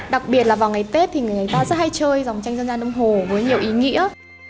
đặc biệt là vào ngày tết thì người ta rất hay chơi dòng tranh dân gian đông hồ với nhiều ý nghĩa